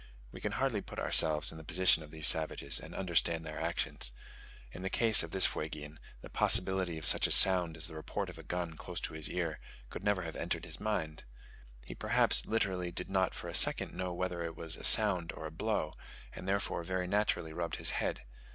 We can hardly put ourselves in the position of these savages, and understand their actions. In the case of this Fuegian, the possibility of such a sound as the report of a gun close to his ear could never have entered his mind. He perhaps literally did not for a second know whether it was a sound or a blow, and therefore very naturally rubbed his head.